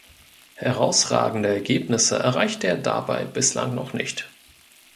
Herausragende Ergebnisse erreichte er dabei bislang noch nicht.